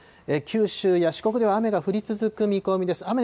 九州や四国では雨が降り続く見込みです。